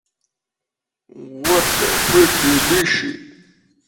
Recoge múltiples ejemplos utilizando conocimientos elementales de matemática.